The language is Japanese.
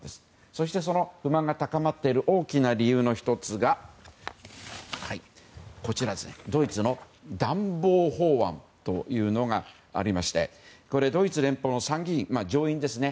そして不満が高まっている大きな理由の１つがドイツの暖房法案というのがありましてドイツ連邦の参議院上院ですね。